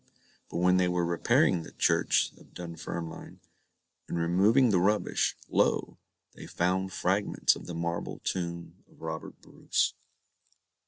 But when they were repairing the church at Dunfermline, and removing the rubbish, lo! they found fragments of the marble tomb of Robert Bruce.